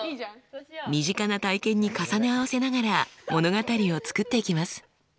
身近な体験に重ね合わせながら物語を作っていきます。